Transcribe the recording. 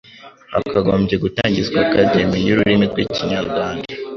Hakagombye gutangizwa Academy y'ururimi rw'Ikinya-Rwanda,